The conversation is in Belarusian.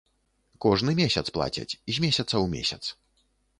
Кожны месяц плацяць, з месяца ў месяц.